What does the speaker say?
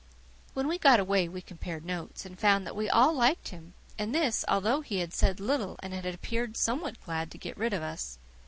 When we got away we compared notes, and found that we all liked him and this, although he had said little and had appeared somewhat glad to get rid of us.